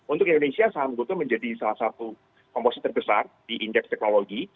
untuk indonesia saham goto menjadi salah satu komposi terbesar di indeks teknologi